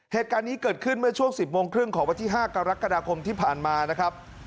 เหตุการณ์นี้เกิดขึ้นเมื่อช่วง๑๐โมงครึ่งของวันที่๕กรกฎาคมที่ผ่านมานะครับ